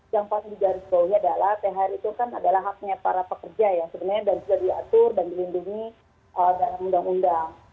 yang paling di jari sebelumnya adalah thr itu kan adalah haknya para pekerja ya sebenarnya dan sudah diatur dan dilindungi dengan undang undang